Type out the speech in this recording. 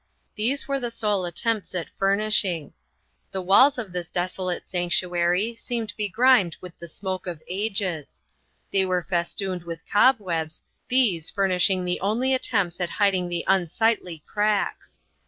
These were the sole at tempts at furnishing. The walls of this des olate sanctuary seemed begrimed with the smoke of ages; they were festooned with cobwebs, these furnishing the only attempts at hiding the unsightly cracks.